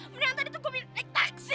beneran tadi tuh gue minta taksi